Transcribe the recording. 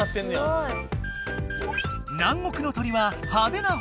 すごい。